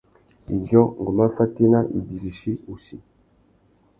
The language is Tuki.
Idjô, ngu má fatēna ibirichi wussi.